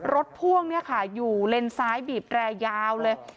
พ่วงเนี่ยค่ะอยู่เลนซ้ายบีบแรยาวเลย